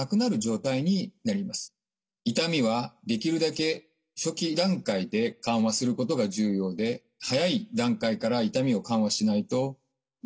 痛みはできるだけ初期段階で緩和することが重要で早い段階から痛みを緩和しないと痛みを記憶してしまう。